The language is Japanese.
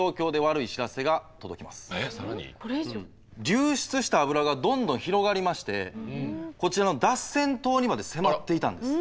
流出した油がどんどん広がりましてこちらのダッセン島にまで迫っていたんです。